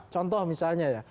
contoh misalnya ya